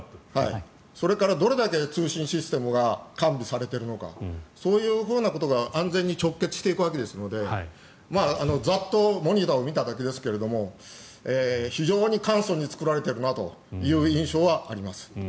それからどれだけ通信システムが完備されているのかそういうふうなことが安全に直結していくわけですのでざっとモニターを見ただけですけども非常に簡素に造られているなという印象はあります。